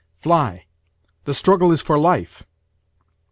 "Fly! the struggle is for life!"